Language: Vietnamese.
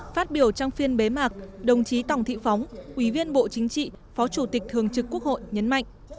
phát biểu trong phiên bế mạc đồng chí tòng thị phóng ủy viên bộ chính trị phó chủ tịch thường trực quốc hội nhấn mạnh